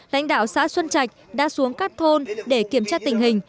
lãnh đạo xã xuân trạch đã xuống các thôn để kiểm tra tình hình